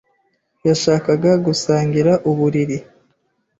yashakaga gusangira uburiri.